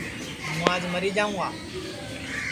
ہوں آج مری جاوں گا